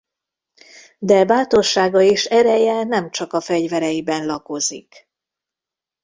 De bátorsága és ereje nem csak a fegyvereiben lakozik.